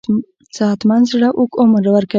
صحتمند زړه اوږد عمر ورکوي.